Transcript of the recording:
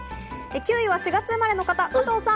９位は４月生まれの方、加藤さん。